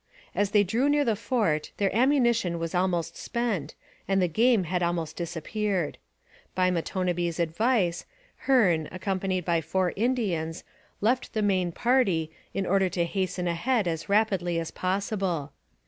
As they drew near the fort their ammunition was almost spent and the game had almost disappeared. By Matonabbee's advice, Hearne, accompanied by four Indians, left the main party in order to hasten ahead as rapidly as possible.